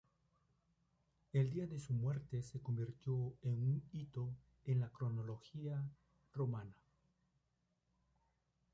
El día de su muerte se convirtió en un hito en la cronología romana.